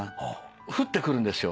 降ってくるんですよ